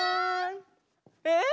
えっ！